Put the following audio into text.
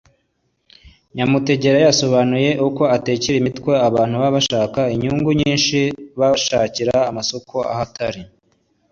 Jacque Nyamutegera yasobanuye uko atekera imitwe abantu baba bashaka inyungu nyinshi bashakira amasoko aho atari